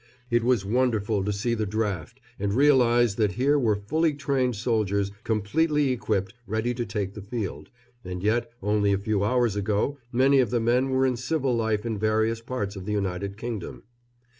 It was wonderful to see the draft and realise that here were fully trained soldiers, completely equipped, ready to take the field, and yet only a few hours ago many of the men were in civil life in various parts of the United Kingdom.